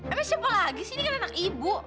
emang siapa lagi sih ini kan anak ibu